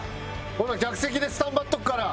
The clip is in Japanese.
ほな客席でスタンバっとくから。